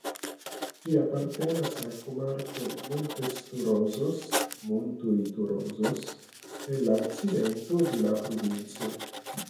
Ĝi apartenas al komarko "Montes Torozos" (Montoj Torozos) en la okcidento de la provinco.